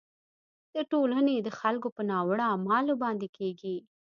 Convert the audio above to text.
د ټولنې د خلکو په ناوړه اعمالو باندې کیږي.